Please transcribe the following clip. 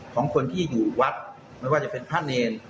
ของคนที่อยู่วัดไม่ว่าจะเป็นพระเนร